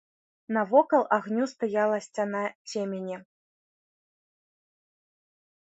Навокал агню стаяла сцяна цемені.